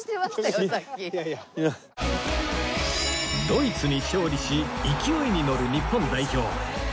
ドイツに勝利し勢いにのる日本代表